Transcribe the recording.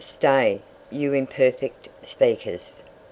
"Stay, you imperfect speakers."